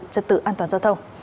trật tự an toàn giao thông